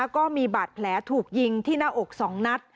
ก็มีบาดแผลถูกยิงที่หน้าอก๒นัด